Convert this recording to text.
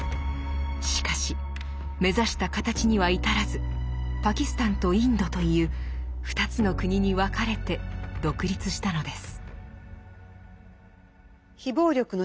しかし目指した形には至らずパキスタンとインドという２つの国に分かれて独立したのです。